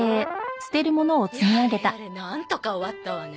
やれやれなんとか終わったわね。